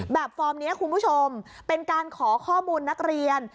ฟอร์มนี้คุณผู้ชมเป็นการขอข้อมูลนักเรียน